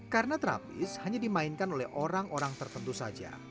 karena terapis hanya dimainkan oleh orang orang tertentu saja